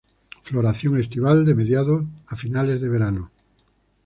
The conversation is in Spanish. Floración estival, de mediados a finales del verano.